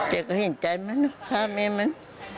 เจ๊ก็เห็นใจมั้ยเนาะคามนั้น